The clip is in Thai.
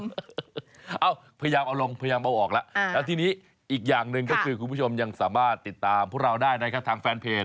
คุณพยายามเอาลงพยายามเอาออกกูพูดตามทางแฟนเพจ